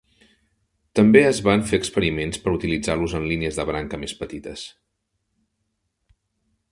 També es van fer experiments per utilitzar-los en línies de branca més petites.